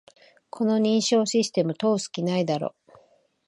この認証システム、通す気ないだろ